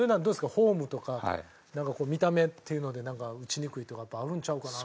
フォームとか見た目っていうのでなんか打ちにくいとかやっぱあるんちゃうかなと。